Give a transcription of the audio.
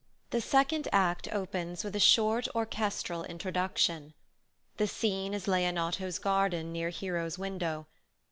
The second act opens with a short orchestral introduction. The scene is Leonato's garden near Hero's window.